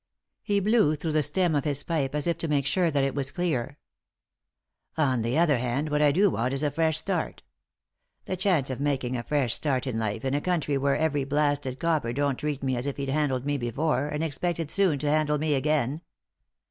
He blew through the stem of his pipe as if to make sure that it was clear. 172 ;«y?e.c.V GOOglC THE INTERRUPTED KISS "On the other hand, what I do want is a fresh start The chance of making a fresh start in life in a country where every blasted copper don't treat me as if he'd handled me before, and expected soon to handle me again.